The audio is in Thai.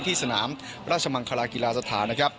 ที่สนามราชมังคารากีฬาสถาน